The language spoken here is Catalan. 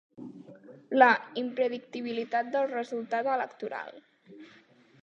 La impredictibilitat del resultat electoral.